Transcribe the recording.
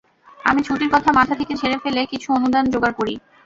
আমি ছুটির কথা মাথা থেকে ঝেড়ে ফেলে কিছু অনুদান জোগাড় করি।